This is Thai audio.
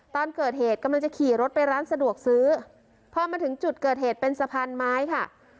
ตอนเกิดเหตุกำลังจะขี่รถไปร้านสะดวกซื้อพอมาถึงจุดเกิดเหตุเป็นสะพานไม้ค่ะ